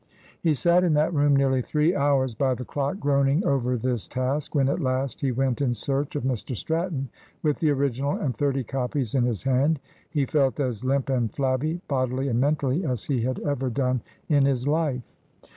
He sat in that room nearly three hours by the clock, groaning over this task, and when at last he went in search of Mr Stratton with the original and thirty copies in his hand, he felt as limp and flabby, bodily and mentally, as he had ever done in his life.